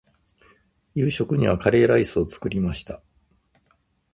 夕食にはカレーライスを作りました。